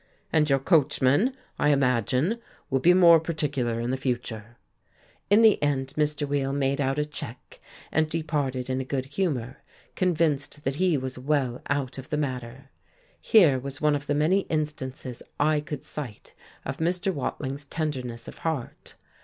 And your coachman, I imagine, will be more particular in the future." In the end Mr. Weill made out a cheque and departed in a good humour, convinced that he was well out of the matter. Here was one of many instances I could cite of Mr. Watling's tenderness of heart.